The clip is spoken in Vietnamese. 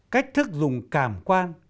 cách thức dùng cảm quan